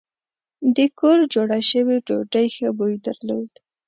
د کور جوړه شوې ډوډۍ ښه بوی درلود.